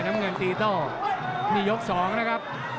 น้ำเงินตีโต้นี่ยกสองนะครับ